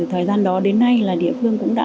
thời gian đó đến nay là địa phương cũng đã